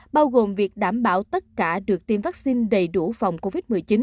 bao gồm việc đảm bảo tất cả được tiêm vaccine đầy đủ phòng covid một mươi chín